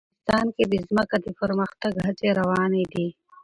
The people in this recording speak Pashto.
افغانستان کې د ځمکه د پرمختګ هڅې روانې دي.